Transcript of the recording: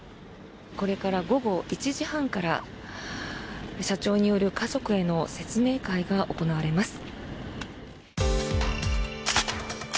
これから午後１時半から社長による家族への説明会が行われます。